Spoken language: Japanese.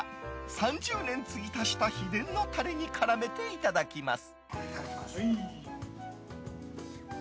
３０年継ぎ足した秘伝のタレに絡めていただきます。